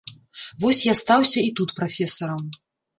Вось я стаўся і тут прафесарам.